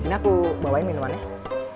sini aku bawain minumannya